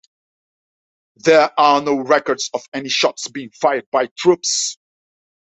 There are no records of any shots being fired by troops.